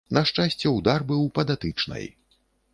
На шчасце, удар быў па датычнай.